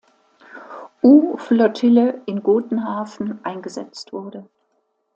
U-Flottille in Gotenhafen eingesetzt wurde.